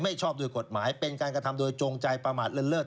ชอบโดยกฎหมายเป็นการกระทำโดยจงใจประมาทเลิศ